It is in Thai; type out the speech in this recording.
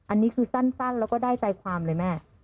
อันนี้คือสั้นแล้วก็ได้ใจความเลยแม่